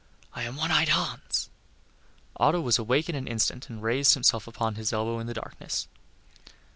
I am One eyed Hans." Otto was awake in an instant and raised himself upon his elbow in the darkness.